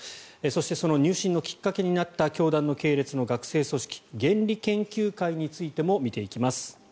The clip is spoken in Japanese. そしてその入信のきっかけになった教団の系列の学生組織原理研究会についても見ていきます。